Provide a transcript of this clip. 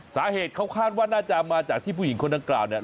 สาเหตุเขาคาดว่าน่าจะมาจากที่ผู้หญิงคนดังกล่าวเนี่ย